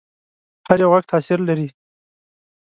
هر غږ یو تاثیر لري.